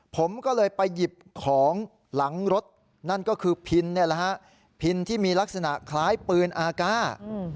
ผมก็เลยไปหยิบของหลังรถนั่นก็คือพินพินที่มีลักษณะคล้ายปืนอากาศ